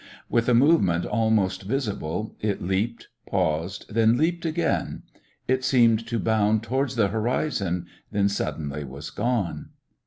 With a movement almost visible it leaped, paused, then leaped again. It seemed to bound towards the horizon; then, suddenly, was gone.